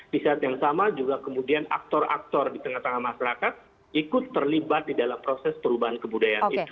di saat yang sama juga kemudian aktor aktor di tengah tengah masyarakat ikut terlibat di dalam proses perubahan kebudayaan itu